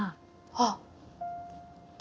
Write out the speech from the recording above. あっ。